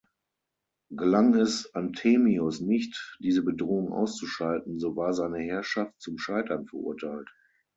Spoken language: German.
Gelang es Anthemius nicht, diese Bedrohung auszuschalten, so war seine Herrschaft zum Scheitern verurteilt.